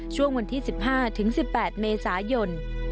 ช่วงวันที่๑๕๑๘เมษายน